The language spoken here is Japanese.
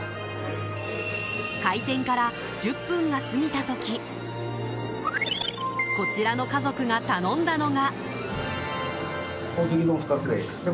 開店から１０分が過ぎた時こちらの家族が頼んだのが。